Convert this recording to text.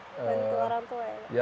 bantu orang tua ya